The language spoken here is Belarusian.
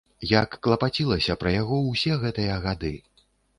Як клапацілася пра яго ўсе гэтыя гады!